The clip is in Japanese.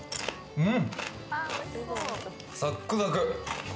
うん！